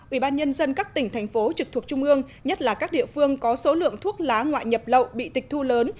ủy ban nhân dân các tỉnh thành phố trực thuộc trung ương nhất là các địa phương có số lượng thuốc lá ngoại nhập lậu bị tịch thu lớn